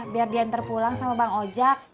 biar diantar pulang sama bang ojak